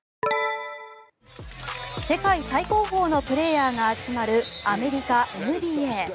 世界最高峰のプレーヤーが集まるアメリカ・ＮＢＡ。